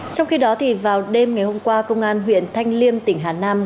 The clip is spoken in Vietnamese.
trong khi đó vào đêm ngày hôm qua công an huyện thanh liêm tỉnh hà nam